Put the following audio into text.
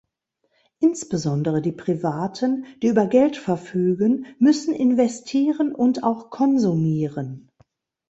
Insbesondere die Privaten, die über Geld verfügen, müssen investieren und auch konsumieren.